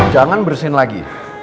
jangan bersin lagi